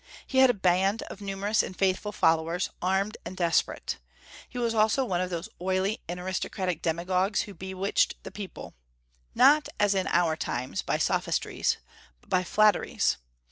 He had a band of numerous and faithful followers, armed and desperate. He was also one of those oily and aristocratic demagogues who bewitch the people, not, as in our times, by sophistries, but by flatteries.